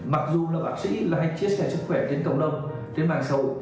mặc dù là bác sĩ hay chia sẻ sức khỏe trên cộng đồng trên mạng sâu